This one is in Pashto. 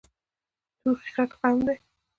توخی غټ قوم ده.